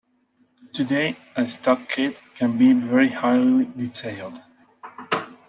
Today, a stock kit can be very highly detailed.